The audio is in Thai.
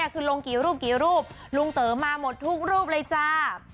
คือลงกี่รูปกี่รูปลุงเต๋อมาหมดทุกรูปเลยจ้า